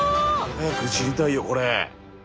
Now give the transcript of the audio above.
早く知りたいよこれ。